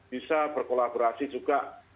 bisa berkolaborasi juga